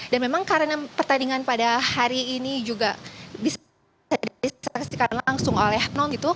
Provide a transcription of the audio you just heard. dan memang karena pertandingan pada hari ini juga bisa disaksikan langsung oleh panpel